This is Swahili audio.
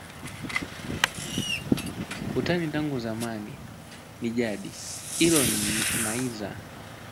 Utani tangu zamani, ni jadi ilo na iza